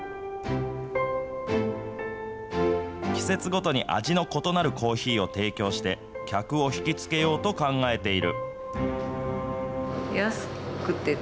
季節ごとに味の異なるコーヒーを提供して、客を引き付けようと考えている。